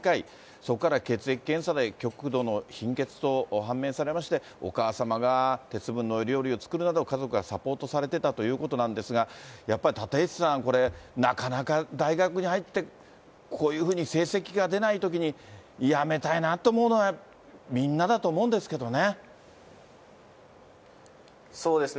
そこから血液検査で極度の貧血と判明されまして、お母様が鉄分の多い料理を作るなど、家族がサポートされてたということなんですが、やっぱり立石さん、これ、なかなか大学に入って、こういうふうに成績が出ないときに、やめたいなと思うのは、そうですね。